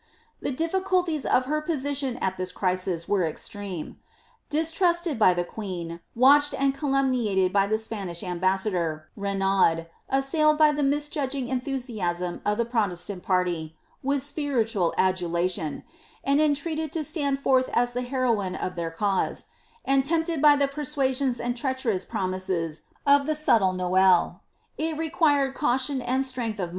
The difficulties of her position at this crisis were extreme; distrusted by the queen, watched and calumniated by the Spanish ambassador, Henaud, assailed by the misjudging enthusiasm of the Protestant party, with spiritual adulation, and entreated to stand forth as the heroine of their cause, and tempted by the persuasions and treacherous promises of the subtle Noailles, it required caution and strength of mind seldom * Dop«?hf!